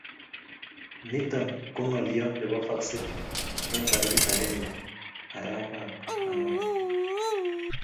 nitok ko ngolyonyo nebo faksit eng tarikit agenge arap angwan